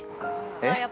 ◆えっ？